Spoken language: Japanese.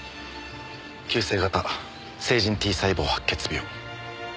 急性型成人Ｔ細胞白血病。